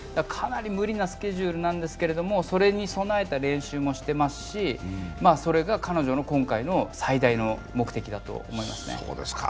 かなり無理なスケジュールなんですけど、それに備えた練習もしていますし、それが彼女の今回の最大の目的でと思いますね。